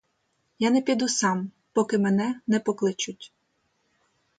Я не піду сам, поки мене не покличуть.